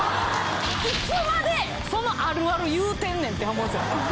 いつまでそのあるある言うてんねんって思うんすよ。